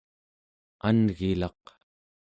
an'gilaq